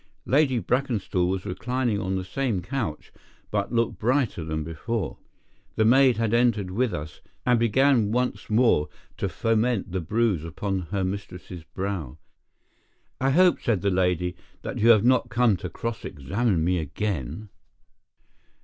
Lady Brackenstall was reclining on the same couch, but looked brighter than before. The maid had entered with us, and began once more to foment the bruise upon her mistress's brow. "I hope," said the lady, "that you have not come to cross examine me again?"